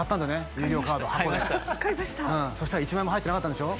遊戯王カード箱でそしたら１枚も入ってなかったんでしょ？